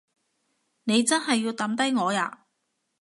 你真係要抌低我呀？